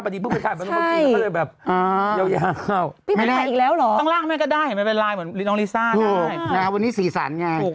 ทางล่างแม่ก็ได้มันลายเหมือนน้องลิซ่า